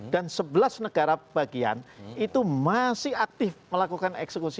dan sebelas negara bagian itu masih aktif melakukan eksekusi